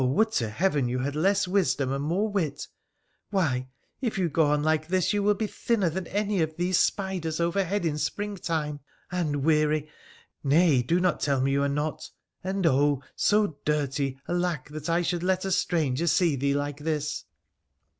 would to Heaven you had less wisdom and more wit — why, if you go on like this, you will be thinner than any of these spiders overhead in springtime — and weary — nay, do not tell me you are not— and, oh ! so dirty, alack that I should let a stranger see thee like this